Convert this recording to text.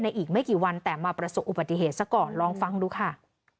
อีกไม่กี่วันแต่มาประสบอุบัติเหตุซะก่อนลองฟังดูค่ะ